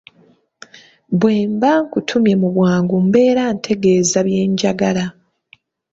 Bwe mba nkutumye mu bwangu mbeera ntegeeza bye njagala.